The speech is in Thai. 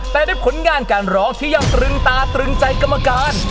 แต่ด้วยผลงานการร้องที่ยังตรึงตาตรึงใจกรรมการ